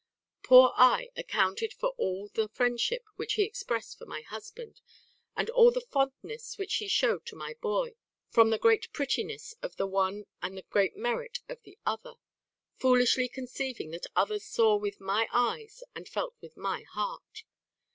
Poor I accounted for all the friendship which he expressed for my husband, and all the fondness which he shewed to my boy, from the great prettiness of the one and the great merit of the other; foolishly conceiving that others saw with my eyes and felt with my heart.